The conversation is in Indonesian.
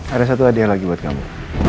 ada satu hadiah lagi buat kamu